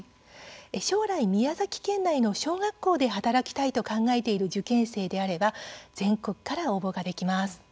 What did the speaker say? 将来、宮崎県内の小学校で働きたいと考えている受験生であれば全国から応募ができます。